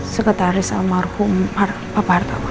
sekretaris almarhum papa hartawan